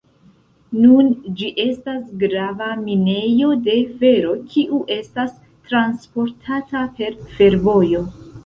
Nun ĝi estas grava minejo de fero kiu estas transportata per fervojo.